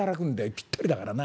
ぴったりだからな。